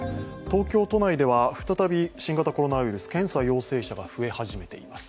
東京都内では再び、新型コロナウイルス検査陽性者が増え始めています。